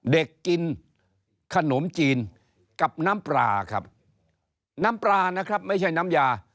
กินขนมจีนกับน้ำปลาครับน้ำปลานะครับไม่ใช่น้ำยา